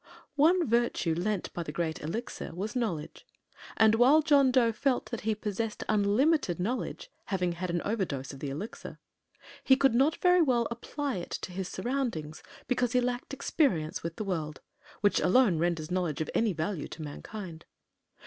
One virtue lent by the Great Elixir was knowledge, and while John Dough felt that he possessed unlimited knowledge (having had an overdose of the Elixir), he could not very well apply it to his surroundings because he lacked experience with the world, which alone renders knowledge of any value to mankind.